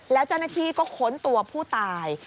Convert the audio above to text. แล้วเจ้าหน้าที่ก็ค้นตัวผู้ตาย